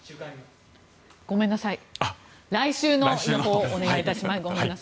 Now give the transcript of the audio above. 来週の予報をお願いします。